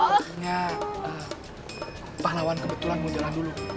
akhirnya pahlawan kebetulan mau jalan dulu